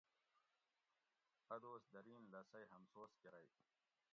اۤ دوس درین لسئ ھمسوس کرگ